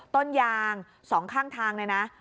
ต้นยาง๒ข้างทางเลยนะ